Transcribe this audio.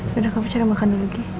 sudah kamu cari makan dulu